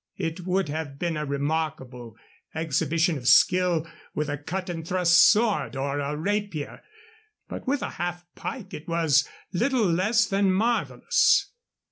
It would have been a remarkable exhibition of skill with a cut and thrust sword or a rapier, but with a half pike it was little less than marvelous.